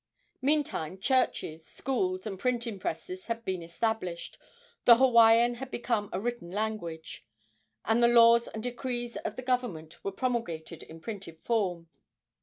Meantime churches, schools and printing presses had been established, the Hawaiian had become a written language, and the laws and decrees of the government were promulgated in printed form.